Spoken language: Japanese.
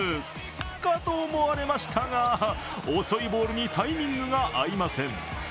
かと思われましたが、遅いボールにタイミングが合いません。